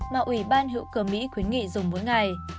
mà ủy ban hữu cơ mỹ khuyến nghị dùng mỗi ngày